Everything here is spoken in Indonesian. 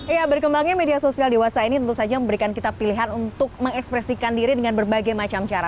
ya berkembangnya media sosial dewasa ini tentu saja memberikan kita pilihan untuk mengekspresikan diri dengan berbagai macam cara